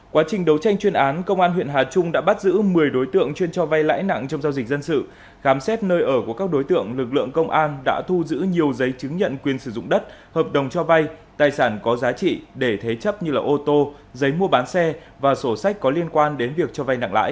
quá trình đấu tranh chuyên án công an huyện hà trung đã bắt giữ một mươi đối tượng chuyên cho vay lãi nặng trong giao dịch dân sự khám xét nơi ở của các đối tượng lực lượng công an đã thu giữ nhiều giấy chứng nhận quyền sử dụng đất hợp đồng cho vay tài sản có giá trị để thế chấp như ô tô giấy mua bán xe và sổ sách có liên quan đến việc cho vay nặng lãi